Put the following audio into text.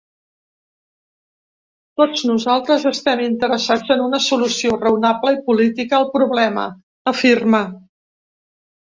Tots nosaltres estem interessats en una solució raonable i política al problema, afirma.